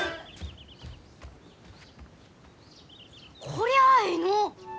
こりゃあえいの！